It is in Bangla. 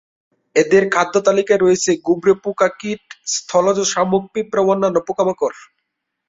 এদের খাদ্যতালিকায় রয়েছে গুবরে পোকা, কীট, স্থলজ শামুক, পিঁপড়া ও অন্যান্য পোকামাকড়।